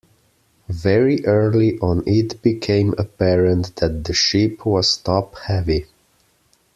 Very early on it became apparent that the ship was top heavy.